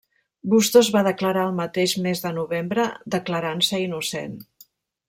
Bustos va declarar el mateix mes de novembre, declarant-se innocent.